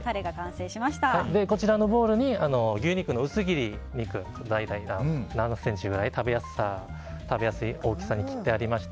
こちらのボウルに牛肉の薄切り肉大体７ｃｍくらい食べやすい大きさに切ってありまして